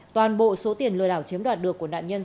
toàn bộ số tiền lừa đảo chiếm đoạt được của nạn nhân